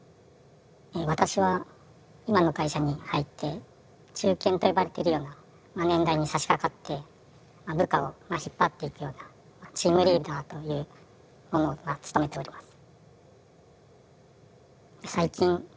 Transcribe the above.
私は今の会社に入って中堅と呼ばれてるような年代にさしかかって部下を引っ張っていくようなチームリーダーというものをまあ務めております。